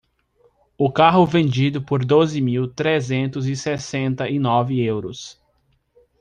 O carro vendido por doze mil trezentos e sessenta e nove euros.